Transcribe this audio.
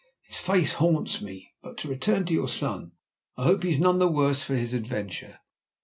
His face haunts me. But to return to your son I hope he is none the worse for his adventure?"